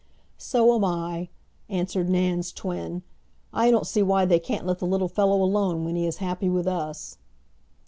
"So am I," answered Nan's twin. "I don't see why they can't let the little fellow alone when he is happy with us."